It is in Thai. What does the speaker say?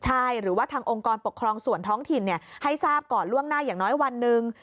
ใช่หรือว่าทางองค์กรปกครองส่วนท้องถิ่นให้ทราบก่อนล่วงหน้าอย่างน้อยวันหนึ่ง